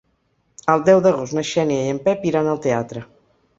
El deu d'agost na Xènia i en Pep iran al teatre.